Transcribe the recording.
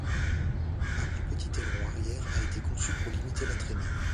Un plus petit aileron arrière a été conçu pour limiter la traînée.